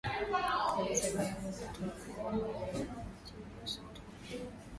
Alizaliwa kama mtoto wa pili wa mlowezi Augustine Washington